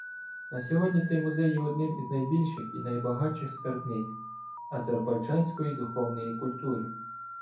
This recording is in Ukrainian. На сьогодні цей музей є одним із найбільших і найбагатших скарбниць азербайджанської духовної культури.